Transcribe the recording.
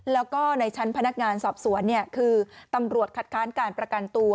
แล้วก็ในชั้นพนักงานสอบสวนคือตำรวจคัดค้านการประกันตัว